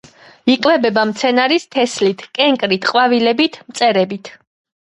იკვებება მცენარის თესლით, კენკრით, ყვავილებით, მწერებით.